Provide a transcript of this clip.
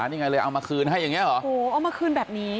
นี่ไงเลยเอามาคืนให้อย่างเงี้เหรอโอ้โหเอามาคืนแบบนี้